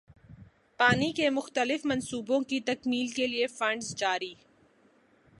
پانی کے مختلف منصوبوں کی تکمیل کیلئے فنڈز جاری